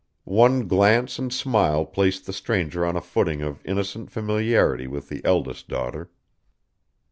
One glance and smile placed the stranger on a footing of innocent familiarity with the eldest daughter.